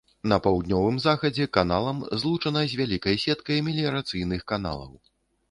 На паўднёвым захадзе каналам злучана з вялікай сеткай меліярацыйных каналаў.